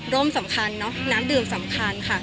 สำคัญเนอะน้ำดื่มสำคัญค่ะ